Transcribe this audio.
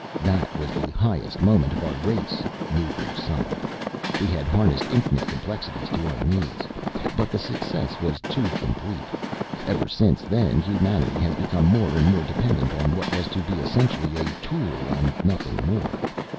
"That was the highest moment of our race," Newbridge sighed. "We had harnessed infinite complexities to our needs. But the success was too complete. Ever since then humanity has become more and more dependent on what was to be essentially a tool and nothing more.